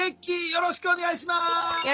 よろしくお願いします。